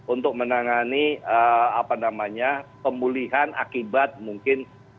untuk menangani pemulihan akibat mungkin